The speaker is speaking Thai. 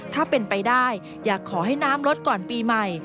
ถ้าเป็นไปได้อยากขอให้น้ำลดก่อนปีใหม่